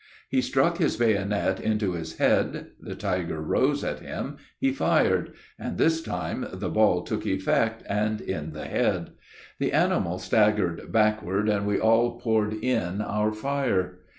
He struck his bayonet into his head; the tiger rose at him he fired; and this time the ball took effect, and in the head. The animal staggered backward, and we all poured in our fire.